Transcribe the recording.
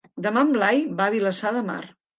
Demà en Blai va a Vilassar de Mar.